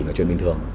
là chuyện bình thường